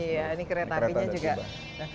iya ini kereta apinya juga